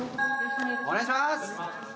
お願いします！